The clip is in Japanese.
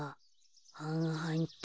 はんはんっと。